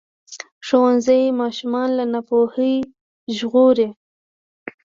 ښوونځی ماشومان له ناپوهۍ ژغوري.